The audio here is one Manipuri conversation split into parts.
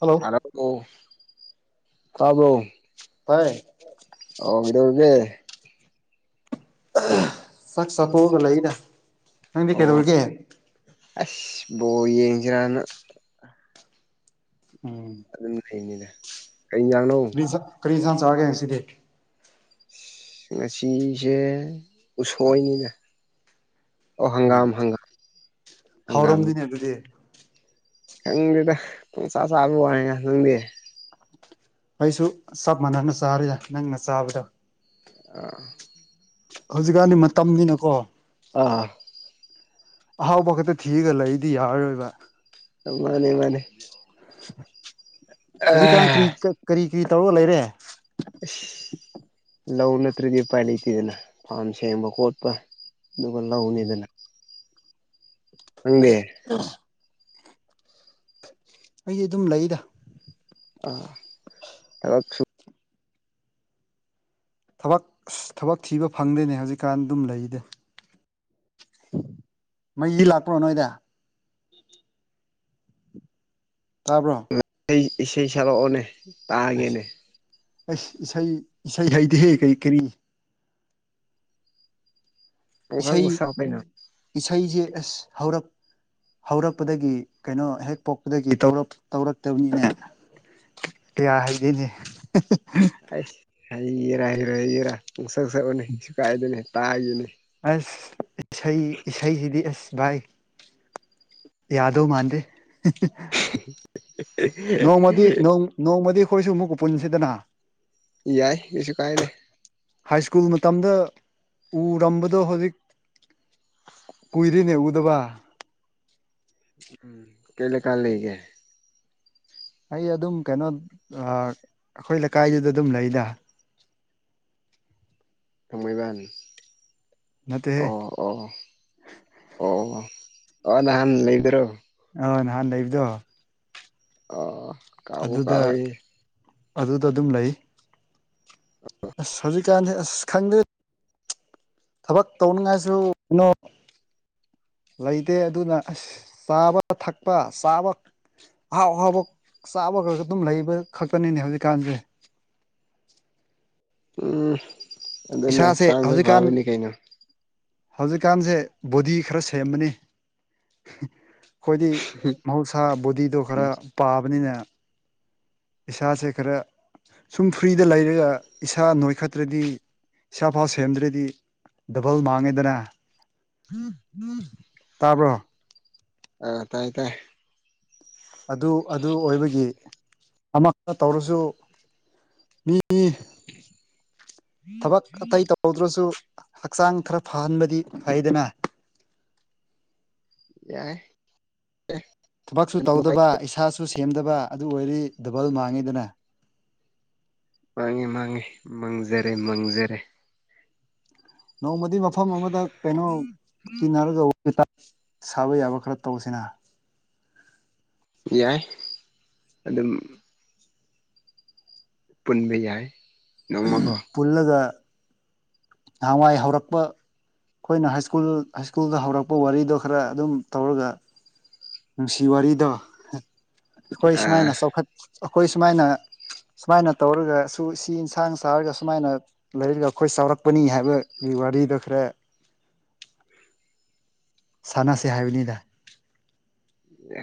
ꯍꯜꯂꯣ ꯍꯂꯣ ꯇꯥꯕ꯭ꯔꯣ ꯍ ꯑꯗꯨꯅꯦ ꯁꯛ ꯁꯊꯣꯛꯒ ꯂꯩꯅ ꯅꯪꯗꯤ ꯀꯩꯗꯧꯔꯒꯦ ꯕꯣ ꯌꯦꯡꯖꯔꯅ ꯎꯝ ꯑꯗꯨ ꯍꯃꯤꯅꯦ [inaudible] ꯀꯔꯤ ꯀꯔꯤꯁꯟ ꯆꯔꯒꯦꯁꯤꯗꯤꯦ ꯉꯁꯤꯁꯦ ꯎꯁꯣꯏꯅꯤꯅ ꯑꯣ ꯎꯝ ꯍꯪꯒꯥꯝ ꯍꯪꯒꯥꯝ ꯍꯪꯒꯥꯝ ꯍꯥꯎꯔꯝꯅꯤꯅꯦ ꯑꯗꯨꯗꯤ ꯈꯪꯗꯦꯗ ꯄꯨꯡꯁꯥ ꯆꯥꯕ ꯋꯥ ꯉ ꯅꯪꯗꯦ ꯑꯩꯁꯨ ꯆꯞ ꯃꯥꯟꯅꯅ ꯆꯥꯔꯤꯗ ꯅꯪꯅ ꯆꯥꯕꯗꯣ ꯑ ꯍꯧꯖꯤꯛꯀꯥꯟꯗꯤ ꯃꯇꯝꯅꯤꯅꯀꯣ ꯑꯥ ꯑꯍꯥꯎꯕ ꯈꯛꯇ ꯊꯤꯒ ꯂꯩ ꯑꯩꯗꯤ ꯌꯥꯔꯣꯏꯕ ꯃꯥꯅꯦ ꯃꯥꯅꯦ [inaudible] ꯑ ꯍꯧꯖꯤꯛ ꯀꯥ ꯀꯔꯤꯔꯤ ꯀꯔꯤ ꯇꯧꯔꯣ ꯂꯩꯔꯦ ꯏꯁꯁ ꯂꯧ ꯅꯠꯇ꯭ꯔꯗꯤ ꯎꯄꯥꯏ ꯂꯩꯇꯦꯗꯅ ꯐꯥꯝ ꯁꯦꯝꯕ ꯈꯣꯠꯄ ꯑꯗꯨꯒ ꯂꯧꯅꯤꯗꯅ ꯅꯪꯗꯦ ꯑꯩꯗꯤ ꯑꯗꯨꯝ ꯂꯩꯗ ꯑ ꯑꯁꯨ ꯊꯕꯛ ꯊꯕꯛ ꯊꯤꯕ ꯐꯪꯗꯦꯅꯦ ꯍꯧꯖꯤꯛꯀꯥꯟ ꯑꯗꯨꯝ ꯂꯩꯗꯦ ꯃꯩꯗꯤ ꯂꯥꯛꯄ꯭ꯔꯣ ꯅꯣꯏꯗ ꯇꯥꯕ꯭ꯔꯣ ꯏꯁꯩ ꯏꯁꯩ ꯁꯛꯂꯛꯑꯣꯅꯦ ꯇꯥꯒꯦꯅꯦ ꯑꯁ ꯏꯁꯩ ꯏꯁꯩ ꯍꯩꯗꯤꯍꯦ ꯀꯔꯤ ꯀꯔꯤ ꯄꯪꯁꯛꯇ ꯏꯁꯩ ꯁꯛꯑꯣ ꯀꯩꯅꯣ ꯏꯁꯩꯁꯦ ꯑꯁ ꯍꯧꯔꯛ ꯍꯧꯔꯛꯄꯗꯒꯤ ꯀꯩꯅꯣ ꯍꯦꯛ ꯄꯣꯛꯄꯗꯒꯤ ꯇꯧꯔꯛꯇꯕꯅꯤꯅ ꯀꯌꯥ ꯍꯗꯣꯏꯅꯦ ꯑ ꯍꯥꯏ ꯏꯔꯥ ꯍꯔꯛ ꯌꯦꯔꯥ ꯄꯨꯡꯁꯛ ꯁꯛꯄꯅꯤ ꯁꯁꯨ ꯀꯥꯏꯗꯅꯤ ꯇꯥ ꯍꯥꯏꯒꯅꯤ ꯑꯁ ꯏꯁꯩ ꯏꯁꯩꯁꯤꯗꯤ ꯑꯁ ꯕꯥꯏ ꯌꯥꯗꯣ ꯃꯥꯥꯟꯗꯦ ꯅꯣꯡꯃꯗꯤ ꯅꯣꯡ ꯅꯣꯡꯃꯗꯤ ꯑꯩꯈꯣꯏꯁꯨ ꯑꯃꯨꯛꯀ ꯄꯨꯟꯁꯤꯗꯅ ꯌꯥꯏ ꯀꯩꯁꯨ ꯀꯥꯏꯗꯦ ꯍꯥꯏ ꯁ꯭ꯀꯨꯜ ꯃꯇꯝꯗ ꯎꯔꯝꯕꯗꯣ ꯍꯧꯖꯤꯛ ꯀꯨꯏꯔꯤꯅꯦ ꯎꯗꯕ ꯎꯝ ꯀꯩ ꯂꯩꯀꯥꯏ ꯂꯩꯒꯦ ꯑꯩ ꯑꯗꯨꯝ ꯀꯩꯅꯣ ꯑꯩꯈꯣꯏ ꯂꯩꯀꯥꯏꯗꯨꯗ ꯑꯗꯨꯝ ꯂꯩꯗ ꯊꯃꯩꯕꯟ ꯅꯠꯇꯦꯍꯦ ꯑꯣ ꯑꯣ ꯑꯣ ꯑꯣ ꯅꯍꯥꯟ ꯂꯩꯕꯤ꯭ꯔꯣ ꯑꯥ ꯅꯍꯥꯟ ꯂꯩꯕꯗꯣ ꯑꯣ ꯀꯕꯨꯨ ꯀ ꯑꯗꯨꯗ ꯑꯗꯨꯗ ꯑꯗꯨꯝ ꯂꯩ ꯁꯖꯤꯛ ꯀꯥꯟꯁꯦ ꯑꯁ ꯈꯪꯗꯦ ꯊꯕꯛ ꯇꯧꯅꯤꯡꯉꯥꯏꯁꯨ ꯀꯩꯅꯣ ꯂꯩꯇꯦ ꯑꯗꯨꯅ ꯑꯁ ꯆꯥꯕ ꯊꯛꯄ ꯆꯥꯕ ꯑꯍꯥꯎ ꯑꯍꯥꯎꯕ ꯆꯥꯕ ꯈꯔꯒ ꯑꯗꯨꯝ ꯂꯩꯕ ꯈꯛꯇꯅꯤꯅꯦ ꯍꯧꯖꯤꯛꯀꯥꯟꯁꯦ ꯎꯝ ꯑꯗꯨꯅ ꯏꯁꯥꯁꯦ ꯍꯛꯆꯥꯡꯗ ꯍꯧꯖꯤꯛꯀꯥꯟ ꯐꯕꯅꯤ ꯀꯩꯅꯣ ꯍꯧꯖꯤꯛꯀꯥꯟꯁꯦ ꯕꯣꯗꯤ ꯈꯔ ꯁꯦꯝꯕꯅꯤ ꯑꯩꯈꯣꯏꯗꯤ ꯃꯍꯧꯁꯥ ꯕꯣꯗꯤꯗꯣ ꯈꯔ ꯄꯥꯕꯅꯤꯅ ꯏꯁꯥꯁꯦ ꯈꯔ ꯁꯨꯝ ꯐ꯭ꯔꯤꯗ ꯂꯩꯔꯒ ꯏꯁꯥ ꯅꯣꯏꯈꯠꯇ꯭ꯔꯗꯤ ꯏꯁꯥ ꯐꯥꯎ ꯁꯦꯝꯗ꯭ꯔꯗꯤ ꯗꯕꯜ ꯃꯥꯡꯉꯦꯗꯅ ꯇꯥꯕ꯭ꯔꯣ [inaudible] ꯑ ꯇꯥꯏ ꯇꯥꯏ ꯑꯗꯨ ꯑꯗꯨ ꯑꯣꯏꯕꯒꯤ ꯑꯃ ꯇꯧꯔꯁꯨ ꯃꯤ ꯊꯕꯛ ꯑꯇꯩ ꯇꯧꯗ꯭ꯔꯁꯨ ꯍꯛꯆꯥꯡ ꯈꯔ ꯐꯍꯟꯕꯗꯤ ꯐꯩꯗꯅ ꯌꯥꯏ ꯊꯕꯛꯁꯨ ꯇꯧꯗꯕ ꯏꯁꯥꯁꯨ ꯁꯨ ꯁꯦꯝꯗꯕ ꯑꯗꯨ ꯑꯣꯏꯔꯤ ꯗꯕꯜ ꯃꯥꯡꯉꯤꯗꯅ ꯃꯥꯡꯉꯦ ꯃꯥꯡꯉꯤ ꯃꯥꯡꯖꯔꯦ ꯃꯥꯡꯖꯔꯦ ꯅꯣꯡꯃꯗꯤ ꯃꯐꯝ ꯑꯃꯗ ꯀꯩꯅꯣ ꯇꯤꯟꯅꯔꯒ ꯁꯥꯕ ꯌꯥꯕ ꯈꯔ ꯇꯧꯕꯁꯤꯅ ꯌꯥꯏ ꯑꯗꯨꯝ ꯄꯨꯟꯕ ꯌꯥꯏ ꯅꯣꯡꯃꯀꯣ ꯄꯨꯜꯂꯒ ꯅꯍꯥꯟꯋꯥꯏ ꯍꯧꯔꯛꯄ ꯑꯩꯈꯣꯏꯅ ꯍꯥꯏ ꯁ꯭ꯀꯨꯜ ꯍꯥꯏ ꯁ꯭ꯀꯨꯜꯗ ꯍꯧꯔꯛꯄ ꯋꯥꯔꯤꯗꯣ ꯈꯔ ꯑꯗꯨꯝ ꯇꯧꯔꯒ ꯅꯨꯡꯁꯤ ꯋꯥꯔꯤꯗ ꯑꯩꯈꯣꯏ ꯑꯥ ꯁꯨꯃꯥꯏꯅ ꯆꯥꯎꯈꯠ ꯑꯩꯈꯣꯏ ꯁꯨꯃꯥꯏꯅ ꯁꯨꯃꯥꯏꯅ ꯇꯧꯔꯒꯁꯨ ꯁꯤ ꯏꯟꯁꯥꯡ ꯆꯥꯔꯒ ꯁꯨꯃꯥꯏꯅ ꯂꯩꯔꯒ ꯑꯩꯈꯣꯏ ꯆꯥꯎꯔꯛꯄꯅꯤ ꯍꯥꯏꯕꯒꯤ ꯋꯥꯔꯤꯗꯣ ꯈꯔ ꯁꯥꯟꯅꯁꯦ ꯍꯥꯏꯕꯅꯤꯗ꯫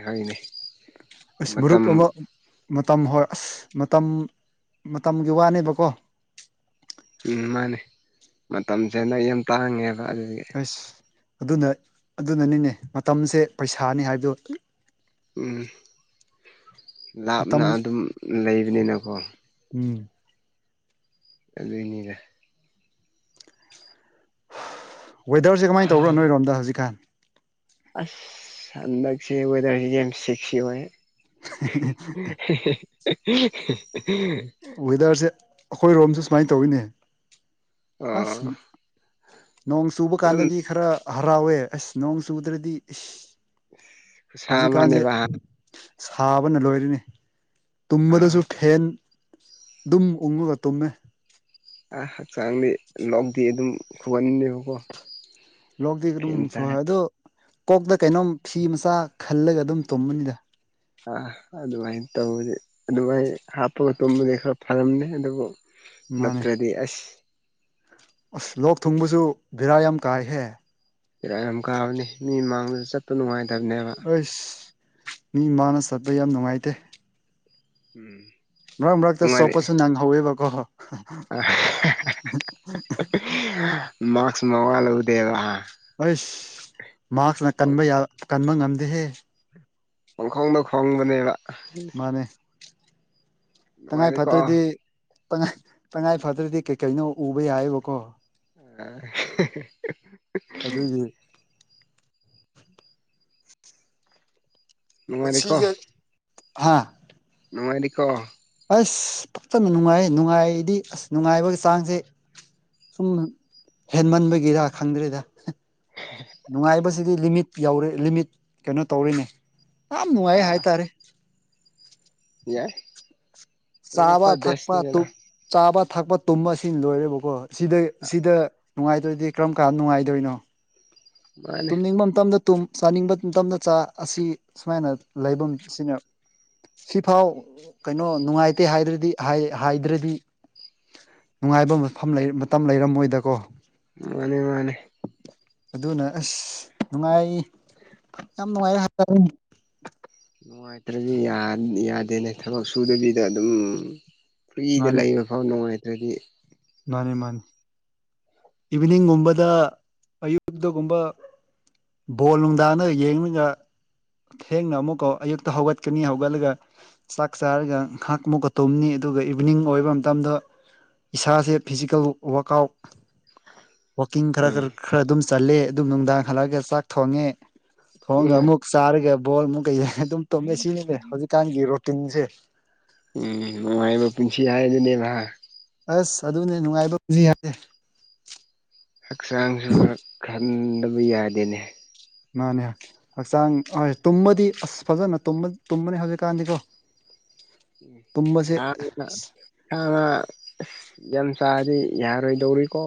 ꯍꯅꯦ ꯑꯁ ꯒꯔꯨꯞ ꯑꯃ ꯃꯇꯝ ꯍꯣꯏ ꯑꯁ ꯃꯇꯝ ꯃꯇꯝꯒꯤ ꯋꯥꯅꯦꯕꯀꯣ ꯎꯝ ꯃꯥꯅꯦ ꯃꯇꯝꯁꯦꯅ ꯑꯩ ꯌꯥꯝ ꯇꯥꯡꯉꯦ ꯑꯥ ꯑꯗꯨꯒꯤ ꯑꯁ ꯑꯗꯨꯅ ꯑꯗꯨꯅꯅꯤꯅꯦ ꯃꯇꯝꯁꯦ ꯄꯩꯁꯥꯅꯤ ꯍꯥꯏꯕꯗꯣ ꯎꯝ ꯂꯥꯞꯅ ꯃꯇꯝ ꯑꯗꯨꯝ ꯂꯩꯕꯅꯤꯅꯀꯣ ꯎꯝ ꯑꯗꯨꯏꯅꯤꯅꯦ ꯋꯦꯗꯔꯦ ꯀꯃꯥꯏ ꯇꯧꯔꯣ ꯅꯣꯏꯔꯣꯝꯗ ꯍꯧꯖꯤꯛꯀꯥꯟ ꯑꯁꯗꯁꯤꯔꯁꯤ ꯁꯤꯁꯤ ꯋꯥ [inaudible] [inaudible] ꯋꯦꯗꯔꯁꯦ ꯑꯩꯈꯣꯏ ꯔꯣꯝꯁꯨ ꯁꯨꯃꯥꯏꯅ ꯇꯧꯋꯤꯅꯦ ꯑꯁ ꯑꯣ ꯅꯣꯡ ꯆꯨꯕ ꯑꯗꯨꯝ ꯀꯥꯟꯗꯗꯤ ꯈꯔ ꯍꯔꯥꯎꯋꯦ ꯑꯁ ꯅꯣꯡ ꯆꯨꯗ꯭ꯔꯗꯤ ꯏꯁ ꯁꯥ ꯍꯧꯖꯤꯛꯀꯥꯟꯁꯦ ꯃꯅꯦꯕ ꯁꯥꯕꯅ ꯂꯣꯏꯔꯤꯅꯤ ꯇꯨꯝꯕꯗꯁꯨ ꯑꯥ ꯐꯦꯟ ꯑꯗꯨꯝ ꯑꯣꯡꯉꯒ ꯇꯣꯝꯃꯦ ꯑ ꯍꯛꯆꯥꯡꯅꯤ ꯂꯧꯣꯛꯗꯤ ꯑꯗꯨꯝ ꯍꯒꯅꯤ ꯂꯗꯤꯔꯝ ꯁ ꯊꯥꯔ ꯑꯗꯨꯣ ꯀꯣꯛꯇ ꯀꯩꯅꯣꯝ ꯐꯤ ꯃꯆꯥ ꯈꯜꯂꯒ ꯑꯗꯨꯝ ꯇꯨꯝꯕꯅꯤꯗ ꯑ ꯑꯗꯨꯃꯥꯏꯅ ꯇꯧꯕꯁ ꯑꯗꯨꯃꯥꯏꯅ ꯍꯥꯞꯄꯒ ꯇꯨꯝꯕꯗꯤ ꯈꯔ ꯐꯔꯝꯅꯤ ꯑꯗꯨꯕꯨ ꯃꯥꯅꯦ ꯅꯠꯇ꯭ꯔꯗꯤ ꯑꯁ ꯑꯁ ꯂꯣꯛ ꯊꯨꯡꯕꯁꯨ ꯚꯦꯔꯥ ꯌꯥꯝ ꯀꯥꯏꯍꯦ ꯀꯔ ꯌꯥꯝ ꯀꯥꯕꯅꯤ ꯃꯤ ꯃꯥꯡꯗ ꯆꯠꯄ ꯅꯨꯡꯉꯥꯏ ꯑꯁ ꯃꯤ ꯃꯥꯥꯅ ꯆꯠꯄ ꯌꯥꯝ ꯅꯨꯡꯉꯥꯏꯇꯦ ꯎꯝ ꯃꯔꯛ ꯃꯔꯛꯇ ꯅꯨꯡꯉꯥꯏꯔꯦ ꯁꯣꯞꯄꯁꯨ ꯅꯪꯍꯧꯋꯦꯕ ꯀꯍ [inaudible] ꯑ ꯃꯥꯁ ꯃꯉꯥꯏꯜ ꯎꯗꯦꯕ ꯍꯁ ꯃꯁꯅ ꯀꯟꯕ ꯀꯟꯕ ꯉꯝꯗꯦ ꯑꯗꯨꯦ ꯈꯣꯡ ꯈꯣꯡꯗ ꯈꯣꯡ ꯃꯅꯤ ꯃꯥꯅꯦ ꯇꯉꯥꯏ ꯅꯨꯡꯉꯥꯏꯔꯤꯀꯣ ꯐꯥꯠꯇ꯭ꯔꯗꯤ ꯇꯉꯥꯏ ꯐꯗ꯭ꯔꯗꯤ ꯀꯩ ꯀꯩꯅꯣ ꯎꯕ ꯌꯥꯏꯑꯕꯀꯣ ꯑ ꯑꯗꯨꯗꯤ ꯅꯨꯡꯉꯥꯏꯔꯤꯀꯣ ꯍꯥꯥ ꯅꯨꯡꯉꯥꯏꯔꯤꯀꯣ ꯑꯁ ꯐꯖꯅ ꯅꯨꯡꯉꯥꯏ ꯅꯨꯡꯉꯥꯏꯗꯤ ꯑꯁ ꯅꯨꯡꯉꯥꯏꯕꯒꯤ ꯆꯥꯡꯁꯦ ꯁꯨꯝ ꯍꯦꯟꯃꯟꯕꯒꯤꯔ ꯈꯪꯗ꯭ꯔꯦꯗ ꯅꯨꯡꯉꯥꯏꯕꯁꯤꯗꯤ ꯂꯤꯃꯤꯠ ꯌꯥꯎꯔꯦ ꯂꯤꯃꯤꯠ ꯀꯩꯅꯣ ꯇꯧꯔꯤꯅꯦ ꯌꯥꯝ ꯅꯨꯡꯉꯥꯏ ꯍꯥꯏꯇꯥꯔꯦ ꯌꯥꯏ ꯑꯗꯨꯝ ꯆꯥꯕ ꯑꯩꯈꯣꯏ ꯊꯛꯄ ꯕꯦꯁꯅꯤꯗꯅ ꯇꯨꯝ ꯆꯥꯕ ꯊꯛꯄ ꯇꯨꯝꯕ ꯑꯁꯤ ꯂꯣꯏꯔꯦꯕꯀꯣ ꯁꯤꯗ ꯁꯤꯗ ꯅꯨꯡꯉꯥꯏꯗꯣꯏꯗꯤ ꯀꯔꯝ ꯀꯥꯟꯗ ꯅꯨꯡꯉꯥꯏꯗꯣꯏꯅꯣ ꯃꯥꯅꯦ ꯇꯨꯝꯅꯤꯡꯕ ꯃꯇꯝꯗ ꯇꯨꯝ ꯆꯥꯅꯤꯡꯕ ꯇꯝꯅ ꯆꯥ ꯑꯁꯤ ꯁꯨꯃꯥꯏꯅ ꯂꯩꯐꯝ ꯁꯤꯅꯦ ꯁꯤꯐꯥꯎ ꯀꯩꯅꯣ ꯅꯨꯡꯉꯥꯏꯇꯦ ꯍꯥꯏꯔꯗꯤ ꯍꯥꯏꯗ꯭ꯔꯗꯤ ꯅꯨꯡꯉꯥꯏꯕ ꯃꯐꯝ ꯃꯇꯝ ꯂꯩꯔꯝꯃꯣꯏꯗꯀꯣ ꯃꯥꯅꯦ ꯃꯥꯅꯦ ꯑꯗꯨꯅ ꯑꯁ ꯅꯨꯡꯉꯥꯏ ꯌꯥꯝ ꯅꯨꯡꯉꯥꯏ ꯅꯨꯡꯉꯥꯏꯇꯔꯗꯤ ꯗꯅꯦ ꯊꯕꯛ ꯁꯨꯗꯕꯤꯗ ꯑꯗꯨꯝ ꯐ꯭ꯔꯤꯗ ꯂꯩꯕ ꯐꯥꯎ ꯅꯨꯡꯉꯥꯏꯇꯦ ꯑꯗꯨꯗꯤ ꯃꯥꯅꯤ ꯃꯥꯅꯤ ꯏꯚꯤꯅꯤꯡꯒꯨꯝꯕꯗ ꯑꯌꯨꯛꯇꯒꯨꯝꯕ ꯕꯣꯜ ꯅꯨꯡꯗꯥꯡꯅ ꯌꯦꯡꯉꯒ ꯊꯦꯡꯅ ꯑꯃꯨꯛꯀ ꯑꯌꯨꯛꯇ ꯍꯧꯒꯠꯀꯅꯤ ꯍꯧꯒꯠꯂꯒ ꯆꯥꯛ ꯆꯥꯔꯒ ꯉꯥꯏꯍꯥꯛ ꯑꯃꯨꯛꯀ ꯇꯨꯝꯅꯤ ꯑꯗꯨꯒ ꯏꯚꯤꯅꯤꯡ ꯑꯣꯏꯕ ꯃꯇꯝꯗ ꯏꯁꯥ ꯁꯦ ꯐꯤꯖꯤꯀꯦꯜ ꯋꯔꯥꯛ ꯑꯥꯎꯠ ꯋꯥꯛꯀꯤꯡ ꯈꯔ ꯈꯔ ꯎꯝ ꯈꯔ ꯑꯗꯨꯝ ꯆꯠꯂꯦ ꯑꯗꯨꯝ ꯅꯨꯡꯗꯥꯡ ꯍꯜꯂꯛꯑꯒ ꯆꯥꯛ ꯊꯣꯡꯉꯦ ꯊꯣꯡꯒ ꯎꯝ ꯃꯨꯛ ꯆꯔꯒ ꯕꯣꯜ ꯑꯃꯨꯛ ꯀꯩ ꯑꯗꯨꯝ ꯇꯨꯝꯃꯦ ꯁꯤꯅꯤꯅꯦ ꯍꯧꯖꯤꯛꯀꯥꯟꯒꯤ ꯔꯣꯇꯤꯟꯁꯦ ꯎꯝ ꯅꯨꯡꯉꯥꯏꯕ ꯄꯨꯟꯁꯤ ꯍꯥꯏꯗꯨꯅꯦꯕ ꯑꯁ ꯑꯗꯨꯅꯦ ꯅꯨꯡꯉꯥꯏꯕ ꯄꯨꯁꯤ ꯍꯥꯏꯁꯦ ꯍꯛꯆꯥꯡꯁꯨ ꯈꯔ ꯆꯕ ꯌꯥꯗꯦꯅꯦ ꯃꯥꯅꯦ ꯍꯛꯆꯥꯡ ꯍꯣꯏ ꯇꯨꯝꯃꯗꯤ ꯑꯁ ꯐꯖꯅ ꯇꯨꯝꯕꯅꯤ ꯍꯧꯖꯤꯛꯀꯥꯟꯗꯤꯀꯣ ꯇꯨꯝꯕꯁꯦ ꯍ ꯍ ꯑꯁ ꯌꯥꯝ ꯆꯥꯔꯗꯤ ꯌꯥꯔꯣꯏꯗꯧꯔꯤꯀꯣ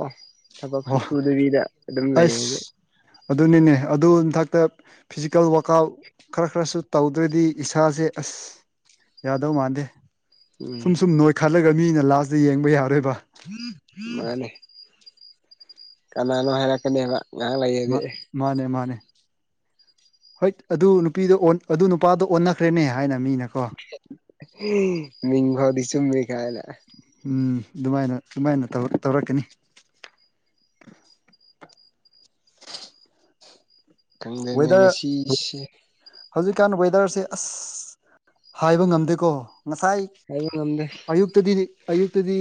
ꯑꯣ ꯊꯕꯛꯁꯨꯨ ꯁꯨꯗꯕꯤꯗ ꯑꯗꯨꯝ ꯂꯩ ꯑꯁ ꯍꯧꯁꯦ ꯑꯗꯨꯅꯤꯅꯦ ꯑꯗꯨꯒꯤ ꯃꯊꯛꯇ ꯐꯤꯖꯤꯀꯦꯜ ꯋꯥꯛ ꯑꯥꯎꯠ ꯈꯔ ꯈꯔꯁꯨ ꯇꯧꯗ꯭ꯔꯗꯤ ꯏꯁꯥꯁꯦ ꯑꯁ ꯌꯥꯗꯧ ꯃꯥꯟꯗꯦ ꯁꯨꯝ ꯎꯝ ꯁꯨꯝ ꯅꯣꯏ ꯈꯜꯂ ꯑꯗꯨꯒ ꯃꯤꯅ ꯂꯥꯁꯇ ꯌꯦꯡꯕ ꯌꯥꯔꯣꯏꯕ ꯃꯥꯅꯦ ꯀꯅꯥꯅꯣ ꯍꯥꯏꯔꯛꯀꯅꯤ ꯍꯥꯏꯕ ꯃꯥ ꯃꯥꯅꯦ ꯃꯥꯅꯦ ꯍꯣꯏ ꯑꯗꯨ ꯅꯨꯄꯤꯗ ꯑꯗꯨ ꯅꯨꯄꯥꯗꯣ ꯑꯣꯟꯅꯈ꯭ꯔꯦꯅꯦ ꯍꯥꯏꯅ ꯃꯤꯅꯀꯣ ꯃꯤꯡꯚꯥꯎ ꯆꯨꯝ ꯈꯥꯏꯗ ꯎꯝ ꯑꯗꯨꯃꯥꯏꯅ ꯑꯗꯨꯃꯥꯏꯅꯧ ꯇꯧꯔꯛꯀꯅꯤ ꯈꯪꯗꯅꯦ ꯋꯦꯗꯔ ꯉꯁꯤꯁꯦ ꯍꯧꯖꯤꯛꯀꯥꯟ ꯋꯦꯗꯔꯁꯦ ꯑꯁ ꯍꯥꯏꯕ ꯉꯝꯗꯦꯀꯣ ꯉꯁꯥꯏ ꯍꯥꯏꯕ ꯉꯝꯗꯦ ꯑꯌꯨꯛꯇꯗꯤ ꯑꯌꯨꯛꯇꯗꯤ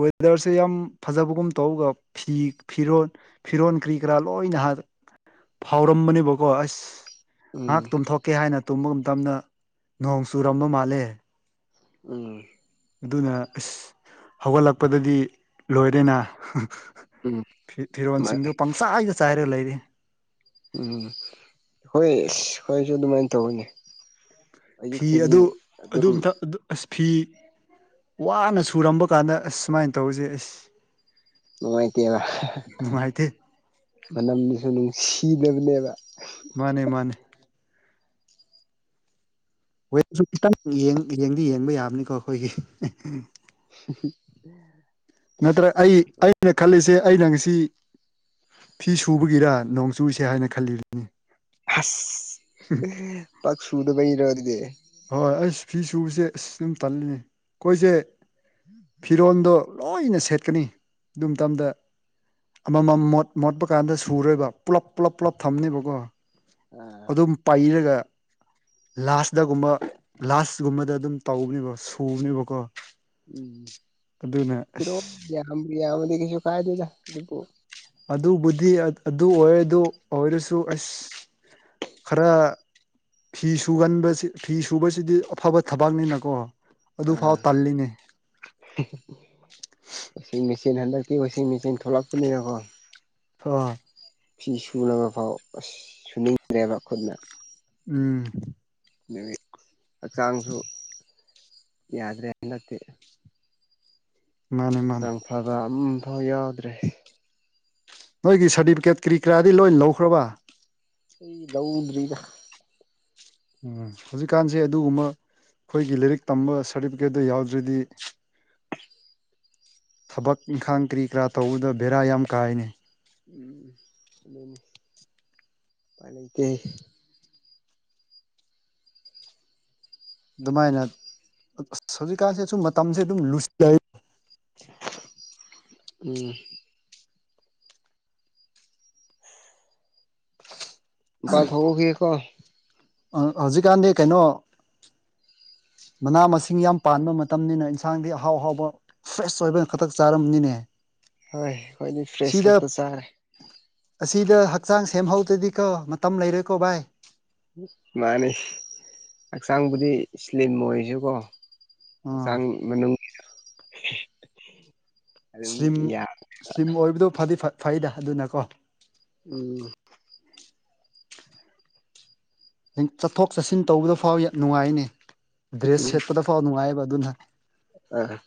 ꯋꯦꯗꯔꯁꯦ ꯌꯥꯝ ꯐꯖꯕꯒꯨꯝ ꯇꯧꯒ ꯐꯤ ꯐꯤꯔꯣ ꯐꯤꯔꯣ ꯀꯔꯤ ꯀꯔꯥ ꯂꯣꯏꯅꯍꯥꯟ ꯐꯥꯎꯔꯝꯕꯅꯤ ꯃꯀꯣ ꯑꯁ ꯎꯝ ꯉꯥꯏꯍꯥꯛ ꯇꯨꯝꯊꯣꯛꯀꯦ ꯍꯥꯏꯅ ꯇꯨꯝꯕ ꯃꯇꯝꯗ ꯅꯣꯡ ꯆꯨꯔꯝꯕ ꯃꯥꯜꯂꯦ ꯎꯝ ꯑꯗꯨꯅ ꯑꯁ ꯍꯧꯒꯠꯂꯛꯄꯗꯗꯤ ꯂꯣꯏꯔꯦꯅ ꯎꯝ ꯃꯥꯅꯦ ꯐꯤꯔꯣꯟꯁꯤꯡꯗꯨ ꯄꯪꯁꯥꯒ ꯆꯥꯏꯔ ꯂꯩꯔꯤ ꯎꯝ ꯍꯣꯏ ꯑ ꯍꯣꯏꯁꯨ ꯑꯗꯨꯃꯥꯏꯅ ꯇꯧꯕꯅꯦ ꯐꯤ ꯑꯗꯨ ꯑꯗꯨꯝꯇ ꯑꯁ ꯐꯤ ꯋꯥꯅ ꯁꯨꯔꯝꯕ ꯀꯥꯟꯗ ꯑꯁ ꯁꯨꯃꯥꯏꯅ ꯇꯧꯁꯦ ꯑꯩꯁ ꯃꯉꯥꯏꯇꯦ ꯃꯥ ꯅꯨꯡꯉꯥꯏꯇꯦ ꯃꯅꯝꯗꯨꯁꯨ ꯅꯨꯡꯁꯤꯗꯕꯅꯦꯕ ꯃꯥꯅꯦ ꯃꯥꯅꯦ ꯋꯦꯁꯨ ꯈꯤꯇꯪ ꯌꯦꯡꯗꯤ ꯌꯦꯡꯕ ꯌꯥꯕꯅꯤꯀꯣ ꯑꯩꯈꯣꯏꯒꯤ [inaudible] ꯅꯠꯇ꯭ꯔ ꯑꯩ ꯑꯩꯅ ꯈꯜꯂꯤꯁꯦ ꯑꯩꯅ ꯉꯁꯤ ꯐꯤ ꯁꯨꯕꯒꯤꯔ ꯅꯣꯡ ꯆꯨꯁꯦ ꯍꯥꯏꯅ ꯈꯜꯂꯤꯕꯅꯤ ꯑꯁ ꯄꯥꯛ ꯁꯨꯗ ꯄꯔꯗ [unintelligible] ꯍꯣꯏ ꯑꯁ ꯐꯤ ꯁꯨꯕꯁꯦ ꯑꯁ ꯑꯗꯨꯝ ꯇꯜꯂꯤ ꯑꯩꯈꯣꯏꯁꯦ ꯐꯔꯣꯟꯗ ꯂꯣꯏꯅꯁꯤ ꯁꯦꯠꯀꯅꯤ ꯑꯗꯨ ꯃꯇꯝꯗ ꯑꯃꯃꯝ ꯃꯣꯠ ꯃꯣꯠꯄ ꯀꯥꯟꯗ ꯁꯨꯔꯣꯏꯕ ꯄꯨꯂꯞ ꯄꯨꯂꯞ ꯄꯨꯜꯂꯞ ꯊꯝꯅꯦꯕꯀꯣ ꯑꯥ ꯑꯗꯨꯝ ꯄꯥꯏꯔꯒ ꯂꯥꯁ ꯗꯒꯨꯝꯕ ꯂꯥꯁꯒꯨꯝꯕꯗ ꯑꯗꯨꯝ ꯇꯧꯕꯅꯦꯕ ꯁꯨꯕꯅꯦꯕꯀꯣ ꯎꯝ ꯑꯗꯨꯅ ꯐꯔ ꯑꯁ ꯌꯥ ꯌꯥꯗꯤ ꯀꯁꯨ ꯀꯥꯏꯗꯗ ꯑꯗꯨꯕꯨ ꯑꯗꯨꯕꯨꯗꯤ ꯑꯗꯨ ꯑꯣꯏꯔꯦ ꯑꯗꯨ ꯑꯣꯏꯔꯁꯨ ꯑꯁ ꯈꯔ ꯐꯤ ꯁꯨꯒꯟꯕꯁꯤ ꯐꯤ ꯁꯨꯕꯁꯤꯗꯤ ꯑꯐꯕ ꯊꯕꯛꯅꯤꯅꯀꯣ ꯑꯗꯨꯐꯥꯎ ꯑꯥ ꯇꯜꯂꯤꯅꯦ ꯆꯦꯟ ꯍꯟꯗꯛꯀꯤ ꯋꯥꯁꯤꯡ ꯃꯦꯆꯤꯟ ꯊꯣꯛꯂꯛꯇꯄꯅꯤꯅꯀꯣ ꯍ ꯐꯤ ꯁꯨꯒ ꯐꯥꯎ ꯑꯁ ꯁꯨꯅꯤꯡꯗ꯭ꯔꯦꯕ ꯈꯨꯠꯅ ꯎꯝ ꯅꯨꯃꯤ ꯍꯛꯆꯥꯡꯁꯨ ꯌꯥꯗ꯭ꯔꯦ ꯍꯥꯏ ꯅꯠꯇꯦ ꯃꯥꯅꯦ ꯃꯥꯅꯦ ꯍꯛꯆꯥꯡ ꯐꯕ ꯎꯝ ꯑ ꯌꯥꯎꯗ꯭ꯔꯦ ꯅꯣꯏꯒꯤ ꯁꯥꯔꯇꯤꯐꯤꯀꯦꯠ ꯀꯔꯤ ꯀꯔꯥꯗꯤ ꯂꯣꯏ ꯂꯧꯈ꯭ꯔꯕ ꯑꯩ ꯂꯎꯨꯝꯗ꯭ꯔꯗ ꯎꯝ ꯍꯧꯖꯤꯛꯀꯥꯟꯁꯦ ꯑꯗꯨꯒꯨꯝꯕ ꯑꯩꯈꯣꯏꯒꯤ ꯂꯥꯏꯔꯤꯛ ꯇꯝꯕ ꯁꯥꯔꯇꯤꯐꯤꯀꯦꯠꯇ ꯌꯥꯎꯗ꯭ꯔꯗꯤ ꯊꯕꯛ ꯏꯪꯈꯥꯡ ꯀꯔꯤ ꯀꯔꯥ ꯇꯧꯕꯗ ꯕꯦꯔꯥ ꯌꯥꯝ ꯀꯥꯏꯅꯤ ꯎꯝ ꯄꯂꯛꯇꯦ ꯑꯗꯨꯃꯥꯏꯅ ꯑꯁ ꯍꯧꯖꯤꯛꯀꯥꯟꯁꯦ ꯁꯨꯝ ꯃꯇꯝꯁꯦ ꯑꯗꯨꯝ ꯂꯨꯁꯤꯜꯂ ꯎꯝ ꯊꯧꯕꯒꯀꯣ ꯍꯧꯖꯤꯛꯀꯥꯟꯗꯤ ꯀꯩꯅꯣ ꯃꯅꯥ ꯃꯁꯤꯡ ꯌꯥꯝ ꯄꯥꯟꯕ ꯃꯇꯝꯅꯤꯅ ꯏꯟꯁꯥꯡꯗꯤ ꯑꯍꯥꯎ ꯑꯍꯥꯎꯕ ꯐ꯭ꯔꯦꯁ ꯑꯣꯏꯕꯅ ꯈꯛꯇꯛ ꯆꯥꯔꯝꯅꯤꯅꯦ ꯍꯣꯏ ꯍꯣꯏ ꯁꯤꯗ ꯐ꯭ꯔꯦꯁꯛꯇ ꯆꯥꯔꯦ ꯑꯁꯤꯗ ꯍꯛꯆꯥꯡ ꯁꯦꯝꯍꯧꯗꯗꯤꯀꯣ ꯃꯇꯝ ꯂꯩꯔꯦꯀꯣ ꯚꯥꯏ ꯃꯥꯅꯤ ꯍꯛꯆꯥꯡꯕꯨꯗꯤ ꯏꯁꯂꯤꯝ ꯑꯣꯏꯁꯨꯀꯣ ꯑꯁ ꯑꯥ ꯃꯅ [inaudible] ꯁ꯭ꯂꯤꯝ ꯁ꯭ꯂꯤꯝ ꯑꯣꯏꯕꯗꯨ ꯐꯗꯤ ꯐꯩꯗ ꯑꯗꯨꯅꯀꯣ ꯎꯝ ꯆꯠꯊꯣꯛ ꯆꯠꯁꯤꯟ ꯇꯧꯕꯗ ꯐꯥꯎ ꯅꯨꯡꯉꯥꯏꯅꯤ ꯗ꯭ꯦꯁꯦꯛꯇꯄꯗ ꯐꯥꯎꯅꯅꯨꯡꯌꯦꯕ ꯑꯗꯨꯅ ꯑ